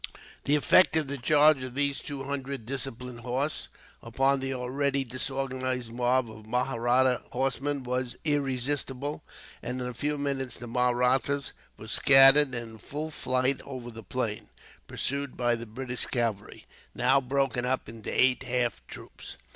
The effect of the charge of these two hundred disciplined horse, upon the already disorganized mob of Mahratta horsemen, was irresistible; and in a few minutes the Mahrattas were scattered, and in full flight over the plain, pursued by the British cavalry, now broken up into eight half troops.